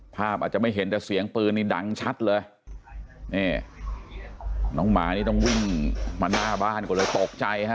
ภาพอาจจะไม่เห็นแต่เสียงปืนนี่ดังชัดเลยนี่น้องหมานี่ต้องวิ่งมาหน้าบ้านก่อนเลยตกใจฮะ